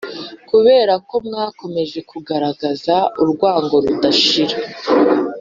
Kubera ko mwakomeje kugaragaza urwango rudashira